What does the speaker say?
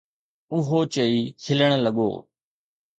اهو چئي کلڻ لڳو.